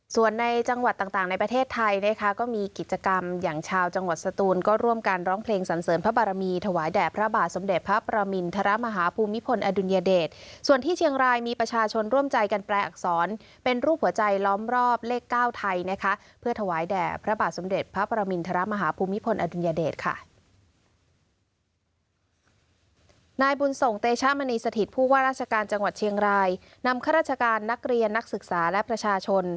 ส่วนในจังหวัดต่างในประเทศไทยนะคะก็มีกิจกรรมอย่างชาวจังหวัดสตูนก็ร่วมกันร้องเพลงสันเสริมพระบารมีถวายแด่พระบาทสมเด็จพระประมินทรมาฮภูมิพลอดุลยเดชส่วนที่เชียงรายมีประชาชนร่วมใจกันแปลอักษรเป็นรูปหัวใจล้อมรอบเลขเก้าไทยนะคะเพื่อถวายแด่พระบาทสมเด็จพระปรมินทรมาฮภูมิพลอดุลยเดชค่ะ